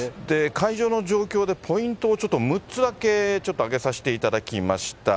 会場の状況でポイントをちょっと６つだけちょっと挙げさせていただきました。